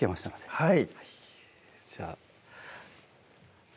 はい